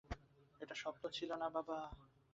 এইটা স্বপ্ন ছিলোনা, বাবা।